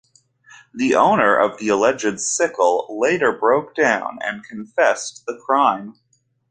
The owner of the alleged sickle later broke down and confessed the crime.